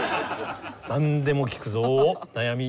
何でも聞くぞ悩み。